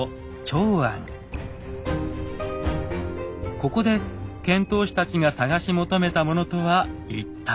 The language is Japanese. ここで遣唐使たちが探し求めたものとは一体？